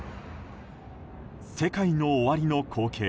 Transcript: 世界の終わりの光景。